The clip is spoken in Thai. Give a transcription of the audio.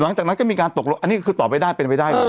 หลังจากนั้นก็มีการตกลงอันนี้คือตอบไม่ได้เป็นไปได้เลย